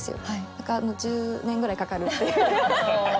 だから１０年ぐらいかかるっていう。